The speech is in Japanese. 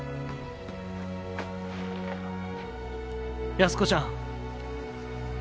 安子ちゃん。